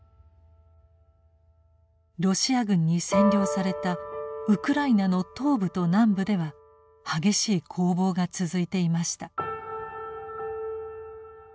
ロシア軍に占領されたウクライナの東部と南部では激しい攻防が続いていました。